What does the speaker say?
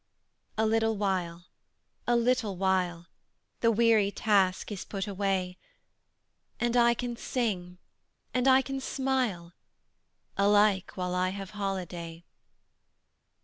I. A LITTLE while, a little while, The weary task is put away, And I can sing and I can smile, Alike, while I have holiday.